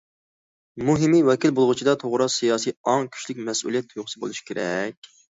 مۇھىمى، ۋەكىل بولغۇچىدا توغرا سىياسىي ئاڭ، كۈچلۈك مەسئۇلىيەت تۇيغۇسى بولۇشى كېرەك.